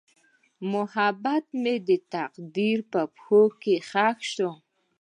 محبت مې د تقدیر په پښو کې ښخ شو.